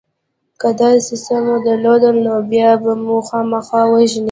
که داسې څه مو درلودل نو بیا به مو خامخا وژني